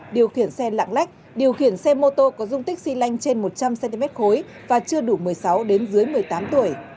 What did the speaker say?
điều khiển xe lạng lách điều khiển xe mô tô có dung tích xy lanh trên một trăm linh cm khối và chưa đủ một mươi sáu đến dưới một mươi tám tuổi